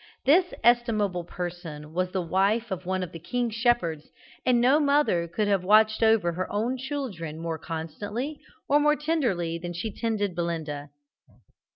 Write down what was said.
This estimable person was the wife of one of the king's shepherds, and no mother could have watched over her own child more constantly or more tenderly than she tended Belinda.